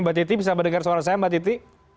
mbak titi bisa mendengar suara saya mbak titi